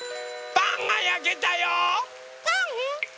・パンがやけたよ！